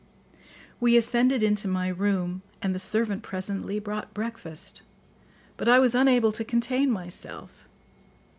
We ascended into my room, and the servant presently brought breakfast; but I was unable to contain myself.